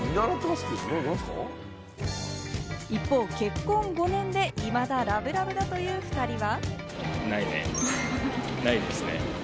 一方、結婚５年目、いまだラブラブだという２人は。